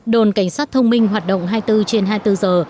đồn cảnh sát thông minh hoạt động hai mươi bốn trên hai mươi bốn giờ